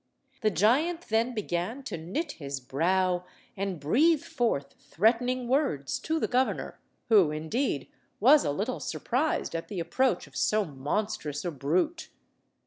The giant then began to knit his brow and breathe forth threatening words to the governor, who, indeed, was a little surprised at the approach of so monstrous a brute.